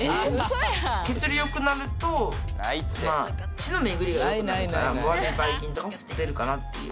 血流良くなるとまあ血の巡りが良くなるから悪いばい菌とかも外に出るかなっていう。